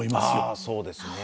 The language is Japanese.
ああそうですね。